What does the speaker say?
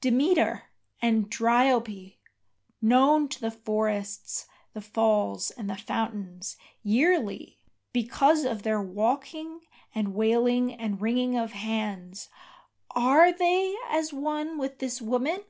Demeter, and Dryope, known to the forests, the falls, and the fountains, Yearly, because of their walking and wailing and wringing of hands, Are they as one with this woman?